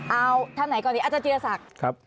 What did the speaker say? เอาท่านไหนก่อนดีอาจารจีรศักดิ์